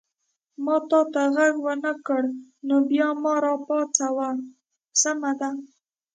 ما تا ته غږ ونه کړ نو بیا ما را پاڅوه، سمه ده؟